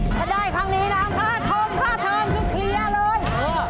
ถ้าได้ครั้งนี้นะค่าท่องค่าเทิงคือเคลียร์เลย